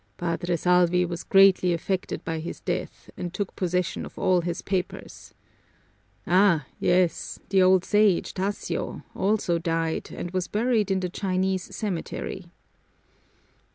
Padre Salvi was greatly affected by his death and took possession of all his papers. Ah, yes, the old Sage, Tasio, also died and was buried in the Chinese cemetery."